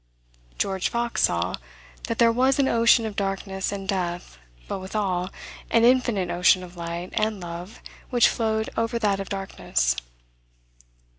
George Fox saw "that there was an ocean of darkness and death; but withal, an infinite ocean of light and love which flowed over that of darkness."